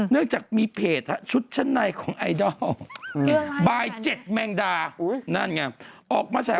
เนื่องจากมีเพจชุดชั้นในของไอดอล